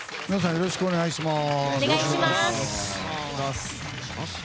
よろしくお願いします。